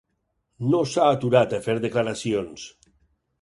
No s’ha aturat a fer declaracions.